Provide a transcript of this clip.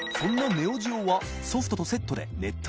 ネオジオはソフトとセットで優奪肇璽